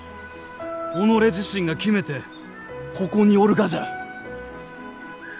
己自身が決めてここにおるがじゃ。